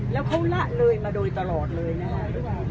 แล้วเขาละเลยมาโดยตลอดเลยนะคะ